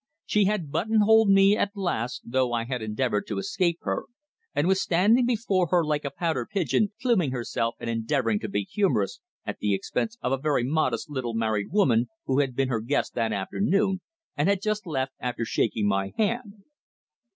She had buttonholed me at last, though I had endeavoured to escape her, and was standing before me like a pouter pigeon pluming herself and endeavouring to be humorous at the expense of a very modest little married woman who had been her guest that afternoon and had just left after shaking my hand.